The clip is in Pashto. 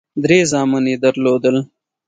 درې زامن یې درلودل.